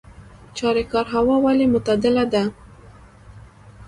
چاریکار هوا ولې معتدله ده؟